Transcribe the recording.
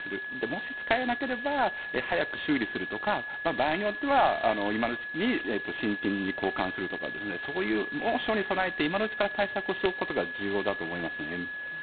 もし使えなければ早く修理するとか場合によっては今のうちに新品に交換するとかそういう猛暑に備えて今のうちから対策をしておくことが重要だと思いますね。